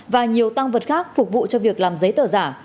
và nhiều tăng vật khác phục vụ cho việc làm giấy tờ giả